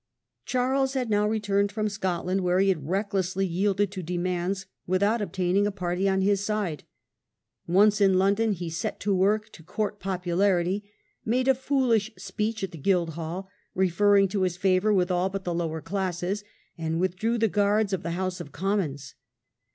Charles had now returned from Scotland, where he had recklessly yielded to demands without obtaining a party on his side. Once in London he set to work Charles's action to court popularity, made a foolish speech at increases the Guildhall, referring to his favour with all ^»«*™«* but the lower classes, and withdrew the guards of the House of Commons.